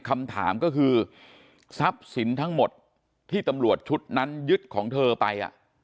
คำถามก็คือทรัพย์สินทั้งหมดที่ตำรวจชุดนั้นยึดของเธอไป